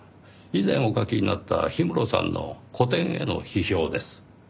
以前お書きになった氷室さんの個展への批評です。